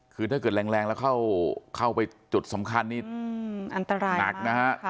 คือถ้าเกิดแรงแรงแล้วเข้าเข้าไปจุดสำคัญนี่อืมอันตรายมากหนักนะฮะ